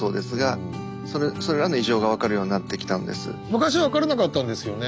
昔は分からなかったんですよね？